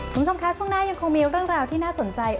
คุณผู้ชมคะช่วงหน้ายังคงมีเรื่องราวที่น่าสนใจ